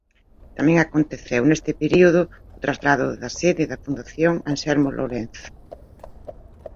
Tamén aconteceu neste período o traslado da sede da Fundación Anselmo Lorenzo.